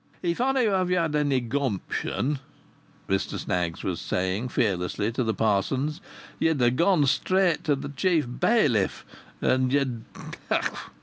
"If ony on ye had had any gumption," Mr Snaggs was saying fearlessly to the parsons, "ye'd ha' gone straight to th' Chief Bailiff and ye'd ha' Houch!"